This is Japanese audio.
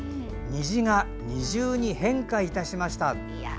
虹が二重に変化いたしました。